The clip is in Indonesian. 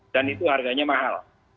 dan itu harganya mahal